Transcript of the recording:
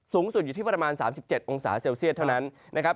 สูงสุดอยู่ที่ประมาณ๓๗องศาเซลเซียตเท่านั้นนะครับ